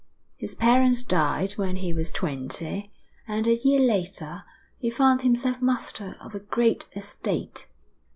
His parents died when he was twenty, and a year later he found himself master of a great estate.